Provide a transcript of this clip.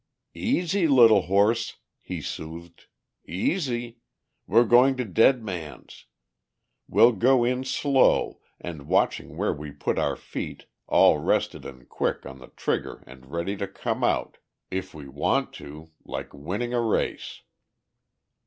"Easy, Little Horse," he soothed. "Easy. We're going to Dead Man's. We'll go in slow and watching where we put our feet, all rested and quick on the trigger and ready to come out ... if we want to! ... like winning a race."